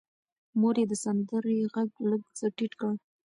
مور یې د سندرې غږ لږ څه ټیټ کړ.